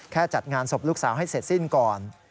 จัดงานศพลูกสาวให้เสร็จสิ้นก่อน